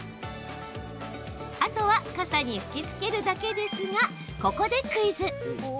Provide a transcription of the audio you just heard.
あとは傘に吹きつけるだけですがここでクイズ！